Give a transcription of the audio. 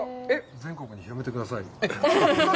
全国に広めてください。